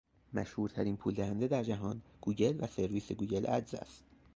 مشهورترین پول دهنده در جهان گوگل و سرویس گوگل ادز است.